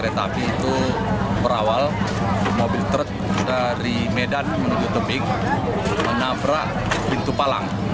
kereta api itu berawal mobil truk dari medan menuju tebing menabrak pintu palang